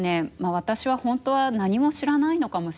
私はほんとは何も知らないのかもしれない。